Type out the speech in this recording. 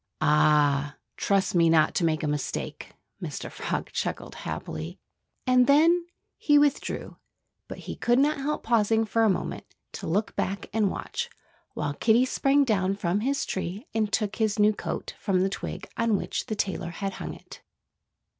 "Ah! Trust me not to make a mistake!" Mr. Frog chuckled happily. And then he withdrew. But he could not help pausing for a moment, to look back and watch, while Kiddie sprang down from his tree and took his new coat from the twig on which the tailor had hung it.